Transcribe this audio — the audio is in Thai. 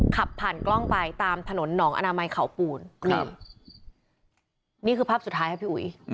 ขับผ่านกล้องไปตามถนนหนองอนามัยเขาปูนนี่นี่คือภาพสุดท้ายครับพี่อุ๋ย